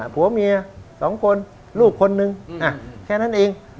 ผัวเมีย๒คนลูกคนนึงแค่นั้นเอง